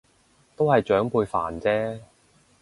都係長輩煩啫